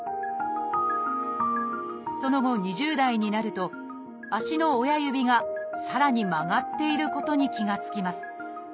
その後２０代になると足の親指がさらに曲がっていることに気が付きます。